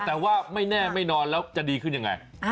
แต่ว่าไม่แน่ไม่นอนแล้วจะดีขึ้นยังไง